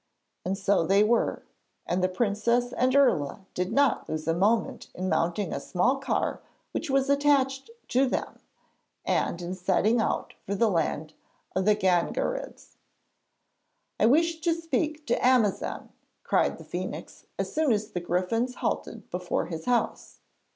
And so they were; and the princess and Irla did not lose a moment in mounting a small car which was attached to them, and in setting out for the land of the Gangarids. 'I wish to speak to Amazan,' cried the phoenix, as soon as the griffins halted before his house.